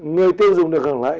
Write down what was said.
người tiêu dùng được hưởng lợi